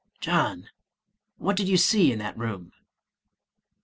"John, what did you see in that room?"